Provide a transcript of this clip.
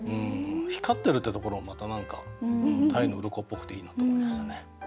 「光ってる」ってところもまた何か鯛のうろこっぽくていいなと思いましたね。